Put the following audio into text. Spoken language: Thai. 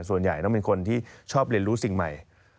ส่วนใหญ่ต้องเป็นคนที่ชอบเรียนรู้สิ่งใหม่